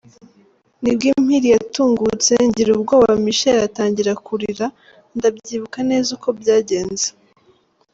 Ni bwo impiri yatungutse, ngira ubwoba Michel atangira kurira, ndabyibuka neza uko byagenze.